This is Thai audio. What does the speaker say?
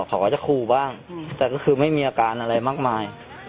เขาก็จะขู่บ้างแต่ก็คือไม่มีอาการอะไรมากมาย